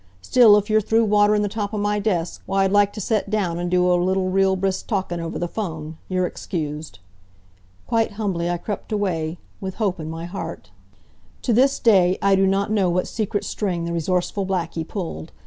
Still, if you're through waterin' the top of my desk, why I'd like t' set down and do a little real brisk talkin' over the phone. You're excused." Quite humbly I crept away, with hope in my heart. To this day I do not know what secret string the resourceful Blackie pulled.